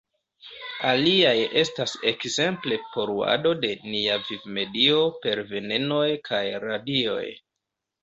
Aliaj estas ekzemple poluado de nia vivmedio per venenoj kaj radioj.